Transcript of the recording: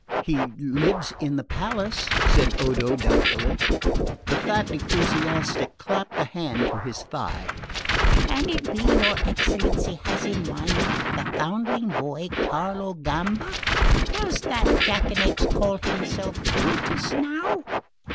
"He lives in the palace," said Odo doubtfully. The fat ecclesiastic clapped a hand to his thigh. "Can it be your excellency has in mind the foundling boy Carlo Gamba? Does the jackanapes call himself Brutus now?